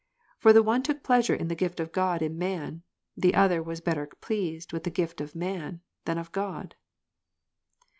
For the one took pleasure in the gift of God in man ; the other was better pleased with the gift of man, than of God.